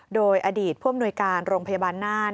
โดยอดีตผู้อำนวยการโรงพยาบาลน่าน